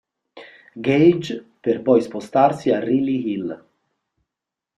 Gage, per poi spostarsi a Reilly Hill.